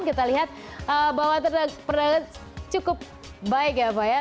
kita lihat bahwa perdagangan cukup baik ya pak ya